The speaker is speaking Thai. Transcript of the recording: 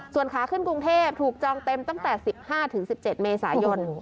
ส่วนขาขึ้นกรุงเทพถูกจองเต็มตั้งแต่๑๕๑๗เมษายน